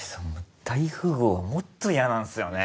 大富豪はもっと嫌なんすよね！